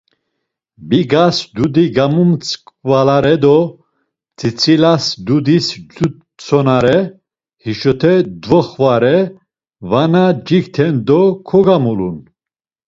Bigas dudi gamumtzvalare do tzitzilas dudis cutsonare, hişote doxvare vana cikten do kogamulun.